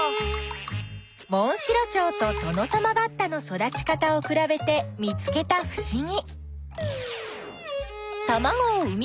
モンシロチョウとトノサマバッタの育ち方をくらべて見つけたふしぎ。